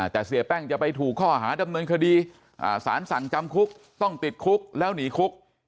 แต่เสียแป้งจะไปถูกข้อหาดำเนินคดีสารสั่งจำคุกต้องติดคุกแล้วหนีคุก